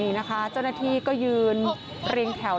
นี่นะคะเจ้าหน้าที่ก็ยืนเรียงแถว